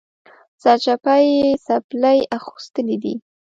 سرچپه یې څپلۍ اغوستلي دي